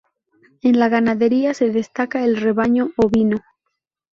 En la ganadería, se destaca el rebaño ovino.